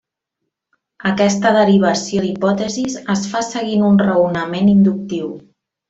Aquesta derivació d'hipòtesis es fa seguint un raonament inductiu.